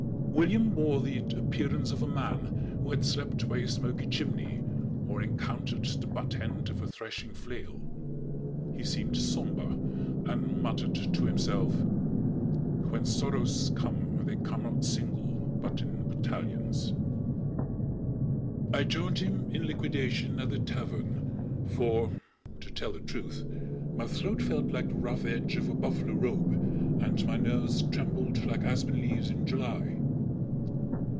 William bore the appearance of a man who had slept by a smoky chimney, or encountered the butt end of a threshing flail. He seemed sombre and muttered to himself: "When sorrows come they come not single But in battalions!" I joined him in liquidation at the tavern, for, to tell the truth, my throat felt like the rough edge of a buffalo robe, and my nerves trembled like aspen leaves in July.